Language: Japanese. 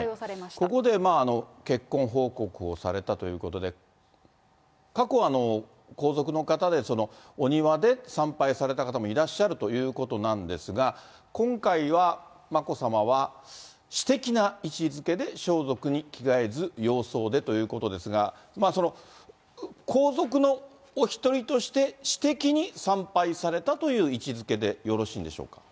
ここで結婚報告をされたということで、過去、皇族の方で、お庭で参拝された方もいらっしゃるということなんですが、今回は眞子さまは、私的な位置づけで装束に着替えず洋装でということですが、皇族のお一人として、私的に参拝されたという位置づけでよろしいんでしょうか。